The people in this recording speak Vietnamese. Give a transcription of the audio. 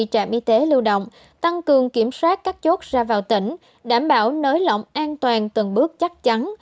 trạm y tế lưu động tăng cường kiểm soát các chốt ra vào tỉnh đảm bảo nới lỏng an toàn từng bước chắc chắn